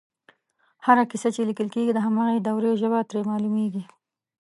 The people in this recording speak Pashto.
هره کیسه چې لیکل کېږي د هماغې دورې ژبه ترې معلومېږي